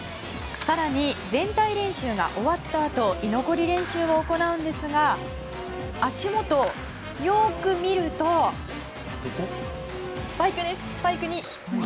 更に、全体練習が終わったあと居残り練習を行うんですが足元、よく見るとスパイクです。